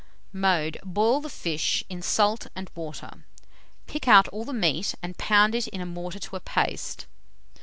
Mode. Boil the fish in salt and water; pick out all the meat and pound it in a mortar to a paste.